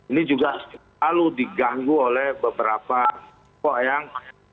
ini juga selalu diganggu oleh beberapa kok yang